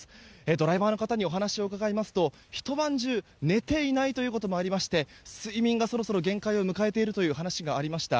ドライバーの方にお話を伺いますと一晩中寝ていないということもありまして睡眠がそろそろ限界を迎えているという話がありました。